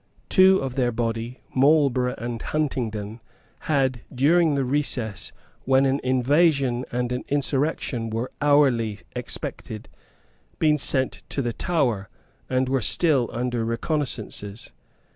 Two of their body, Marlborough and Huntingdon, had, during the recess, when an invasion and an insurrection were hourly expected, been sent to the Tower, and were still under recognisances.